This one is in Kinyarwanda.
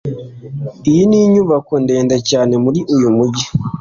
iyi ni inyubako ndende cyane muri uyu mujyi